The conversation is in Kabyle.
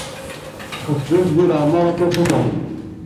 Sseɣzef-as di leɛmer, aṭas, aṭas.